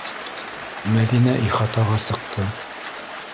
Мәҙинә ихатаға сыҡты.